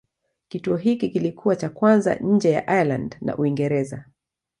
Kituo hiki kilikuwa cha kwanza nje ya Ireland na Uingereza.